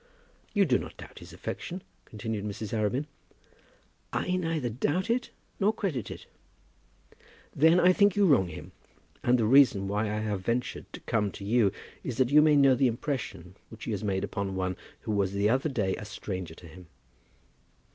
"You do not doubt his affection?" continued Mrs. Arabin. "I neither doubt it nor credit it." "Then I think you wrong him. And the reason why I have ventured to come to you is that you may know the impression which he has made upon one who was but the other day a stranger to him.